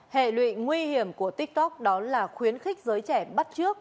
hệ lụy nguy hiểm của tiktok đó là khuyến khích giới trẻ bắt trước